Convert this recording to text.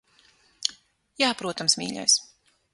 Jā, protams, mīļais.